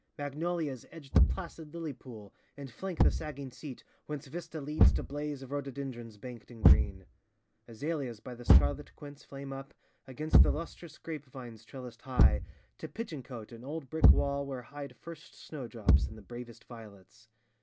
Magnolias edge the placid lily pool And flank the sagging seat, whence vista leads To blaze of rhododendrons banked in green. Azaleas by the scarlet quince flame up Against the lustrous grape vines trellised high To pigeon cote and old brick wall where hide First snowdrops and the bravest violets.